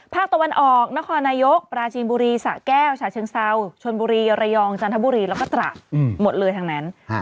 ภาคตะวันออกนครนายกปราจีนบุรีสะแก้วฉาเชิงเซา